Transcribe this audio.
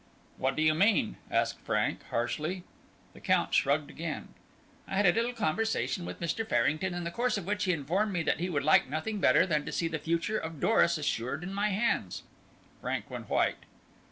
"What do you mean?" asked Frank, harshly. The Count shrugged again. "I had a little conversation with Mr. Farrington in the course of which he informed me that he would like nothing better than to see the future of Doris assured in my hands." Frank went white.